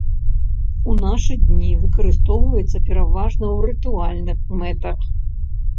У нашы дні выкарыстоўваецца пераважна ў рытуальных мэтах.